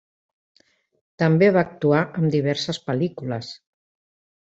També va actuar en diverses pel·lícules.